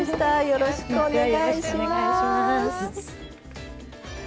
よろしくお願いします。